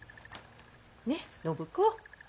ねっ暢子。